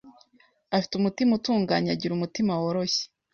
afi te umutima utunganye, agira umutima woroshye